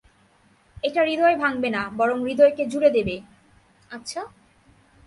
এটা হৃদয় ভাঙ্গবে না, বরং হৃদয়কে জুড়ে দেবে, - আচ্ছা।